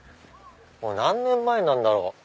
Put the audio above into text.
何年前なんだろ？